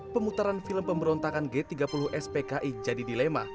pertanyaan terakhir apakah pki menjadi dilema